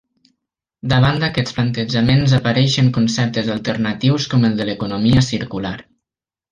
Davant d'aquests plantejaments apareixen conceptes alternatius com el de l'Economia Circular.